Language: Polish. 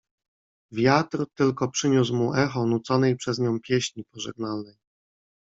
"Wiatr tylko przyniósł mu echo nuconej przez nią pieśni pożegnalnej."